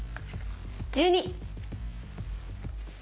１２！